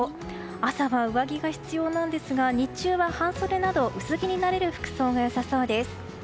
朝は上着が必要なんですが日中は半袖など薄着になれる服装が良さそうです。